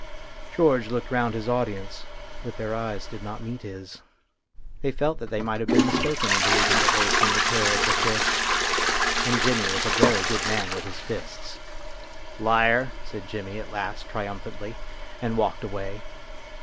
George looked round his audience, but their eyes did not meet his. They felt that they might have been mistaken in believing that FATE AND THE ARTIST 251 they had seen the tail of the fish. And Jimmy was a very good man with his fists. " Liar !" said Jimmy at last triumphantly, and walked away.